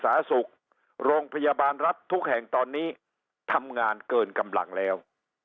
สาธารณสุขโรงพยาบาลรัฐทุกแห่งตอนนี้ทำงานเกินกำลังแล้ว